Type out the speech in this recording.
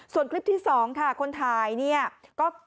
ส่วนคลิปที่๒ค่ะคนถ่ายเนี่ยก็